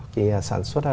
cái sản xuất